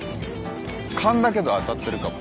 勘だけど当たってるかも。